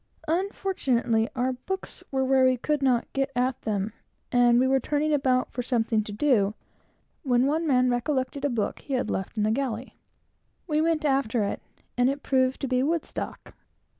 Unfortunately, our books were where we could not get at them, and we were turning about for something to do, when one man recollected a book he had left in the galley. He went after it, and it proved to be Woodstock.